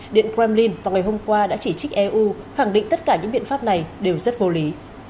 điện kremlin vào ngày hôm qua đã chỉ trích eu khẳng định tất cả những biện pháp này đều rất vô lý